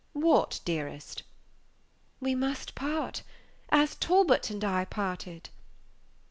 "What, dearest?" "We must part as Talbot and I parted."